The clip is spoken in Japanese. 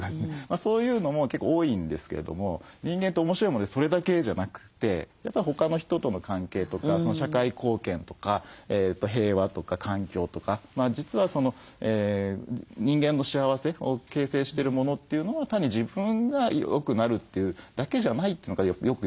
そういうのも結構多いんですけれども人間って面白いものでそれだけじゃなくてやっぱり他の人との関係とか社会貢献とか平和とか環境とか実は人間の幸せを形成してるものというのは単に自分がよくなるというだけじゃないというのがよく分かりましたね。